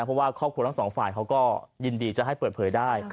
เพราะว่าครอบครัวทั้งสองฝ่ายเขาก็ยินดีจะให้เปิดเผยได้